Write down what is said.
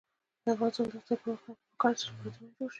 د افغانستان د اقتصادي پرمختګ لپاره پکار ده چې لابراتوارونه جوړ شي.